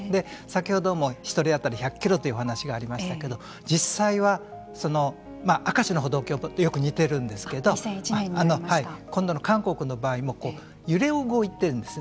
先ほども１人当たり１００キロというお話がありましたけれども実際は明石の歩道橋とよく似ているんですけど今度の韓国の場合も揺れ動いているんです。